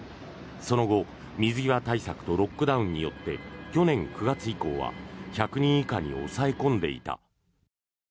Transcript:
その後、水際対策とロックダウンによって去年９月以降は１００人以下に抑え込んでいた。